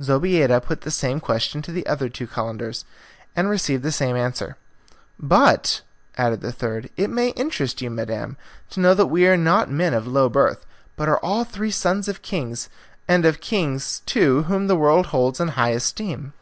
Zobeida put the same question to the other two Calenders, and received the same answer. "But," added the third, "it may interest you, madam, to know that we are not men of low birth, but are all three sons of kings, and of kings, too, whom the world holds in high esteem."